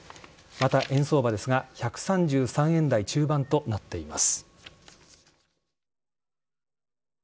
また、円相場ですが１３３円台中盤となっています。